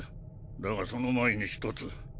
だがその前に１つ。